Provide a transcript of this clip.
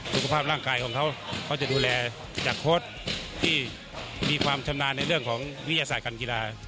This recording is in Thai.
สุขภาพร่างกายของเขาเขาจะดูแลจากโค้ชที่มีความชำนาญในเรื่องของวิทยาศาสตร์การกีฬา